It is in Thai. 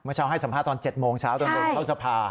เมื่อเช้าให้สัมภาษณ์ตอน๗โมงเช้าด้วยเข้าทรภา